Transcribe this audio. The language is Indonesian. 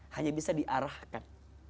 hanya bisa diarahkan